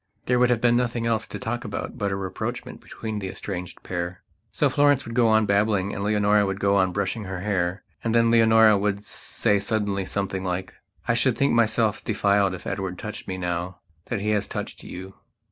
There would have been nothing else to talk about but a rapprochement between that estranged pair. So Florence would go on babbling and Leonora would go on brushing her hair. And then Leonora would say suddenly something like: "I should think myself defiled if Edward touched me now that he has touched you."